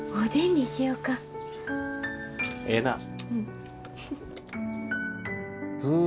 ええなぁ。